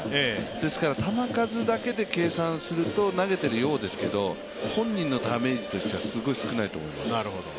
ですから球数だけで計算すると投げているようですけど本人のダメージとしてはすごく少ないと思います。